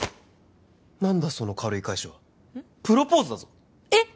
何だその軽い返しはプロポーズだぞえっ